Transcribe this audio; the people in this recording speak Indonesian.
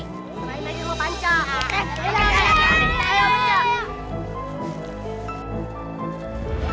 terlalu banyak yang mau panca